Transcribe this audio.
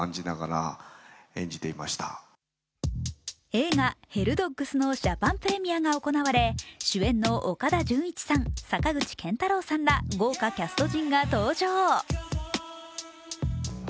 映画「ヘルドッグス」のジャパンプレミアが行われ主演の岡田准一さん、坂口健太郎さんら豪華キャスト陣が登場。